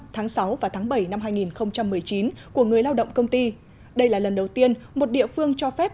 tháng sáu và tháng bảy năm hai nghìn một mươi chín của người lao động công ty đây là lần đầu tiên một địa phương cho phép